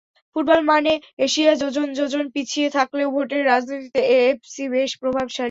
Football মানে Asia যোজন যোজন পিছিয়ে থাকলেও ভোটের রাজনীতিতে এএফসি বেশ প্রভাবশালী।